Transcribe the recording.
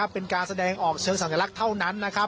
เป็นการแสดงออกเชิงสัญลักษณ์เท่านั้นนะครับ